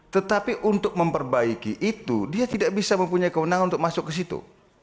tetapi untuk memperbaiki itu dia tidak bisa mempunyai kewenangan untuk masuk ke situ